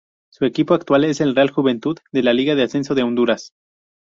Su equipo actual es el Real Juventud de la Liga de Ascenso de Honduras.